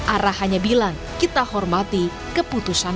arahannya bilang kita hormati keputusan